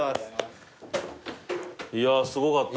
いやすごかった。